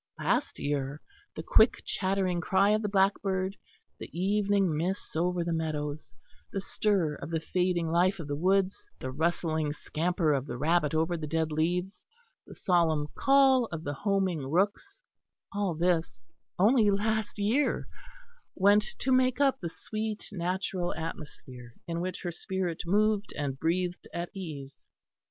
Last year the quick chattering cry of the blackbird, the evening mists over the meadows, the stir of the fading life of the woods, the rustling scamper of the rabbit over the dead leaves, the solemn call of the homing rooks all this, only last year, went to make up the sweet natural atmosphere in which her spirit moved and breathed at ease.